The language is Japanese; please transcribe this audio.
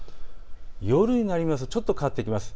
夜になりますとちょっと変わってきます。